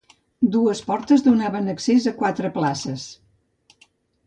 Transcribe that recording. Dues portes donaven accés a quatre places.